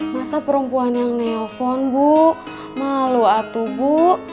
masa perempuan yang neofon bu malu atuh bu